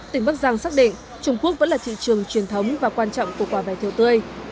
tỉnh bắc giang xác định trung quốc vẫn là thị trường truyền thống và quan trọng của quả vải thiều tươi